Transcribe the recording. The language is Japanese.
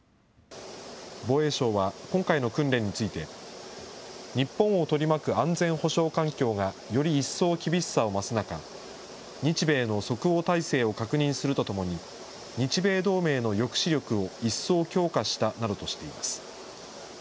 防衛省は今回の訓練について、日本を取り巻く安全保障環境がより一層厳しさを増す中、日米の即応態勢を確認するとともに、日米同盟の抑止力を一層強化したなどとしています。